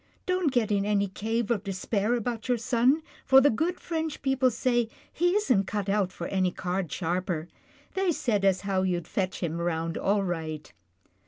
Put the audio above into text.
Don't get in any cave of despair about your son, for the good French people say he isn't cut out for any card sharper. They said as how you'd fetch him round all right."